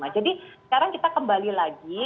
jadi sekarang kita kembali lagi